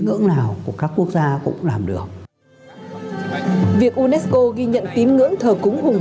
ngưỡng nào của các quốc gia cũng làm được việc unesco ghi nhận tín ngưỡng thờ cúng hùng